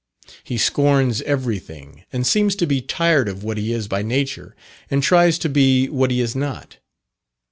He scorns everything, and seems to be tired of what he is by nature, and tries to be what he is not.